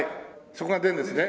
そこが出るんですね？